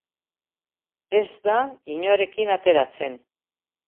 Ez da inorekin ateratzen.